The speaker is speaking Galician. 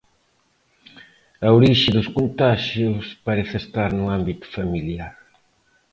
A orixe dos contaxios parece estar no ámbito familiar.